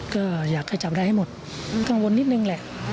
ก็อยากให้จับได้ให้หมดกังวลนิดนึงแหละ